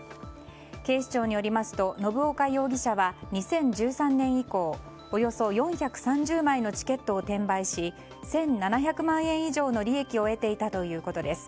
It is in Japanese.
警視庁によりますと信岡容疑者は、２０１３年以降およそ４３０枚のチケットを転売し１７００万円以上の利益を得ていたということです。